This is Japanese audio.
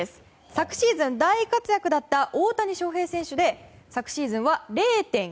昨シーズン大活躍だった大谷翔平選手で昨シーズンは０．９６４。